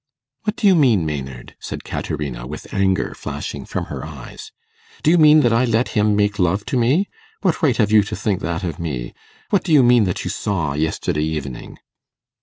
'What do you mean, Maynard?' said Caterina, with anger flashing from her eyes. 'Do you mean that I let him make love to me? What right have you to think that of me? What do you mean that you saw yesterday evening?